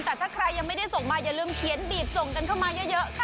แต่ถ้าใครยังไม่ได้ส่งมาอย่าลืมเขียนบีบส่งกันเข้ามาเยอะค่ะ